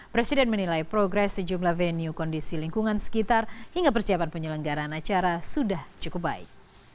presiden menilai progres sejumlah venue kondisi lingkungan sekitar hingga persiapan penyelenggaran acara sudah cukup baik